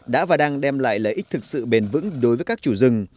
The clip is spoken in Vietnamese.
đã và đang đem lại lợi ích thực sự bền vững đối với các chủ rừng